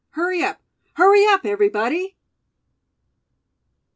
Hurry up! Hurry up, everybody!"